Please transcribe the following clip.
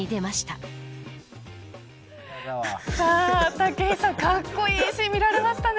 武井さん、かっこいいシーンが見られましたね。